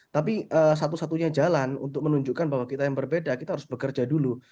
tapi satu satunya jalan untuk menunjukkan bahwa kita yang berbeda kita harus bekerja dulu